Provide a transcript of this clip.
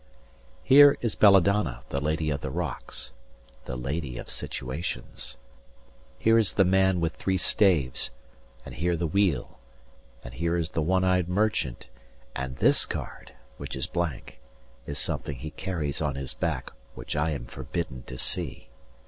Here is Belladonna, the Lady of the Rocks, The lady of situations. 50 Here is the man with three staves, and here the Wheel, And here is the one eyed merchant, and this card, Which is blank, is something he carries on his back, Which I am forbidden to see.